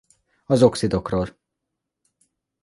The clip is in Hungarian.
Az oxidokról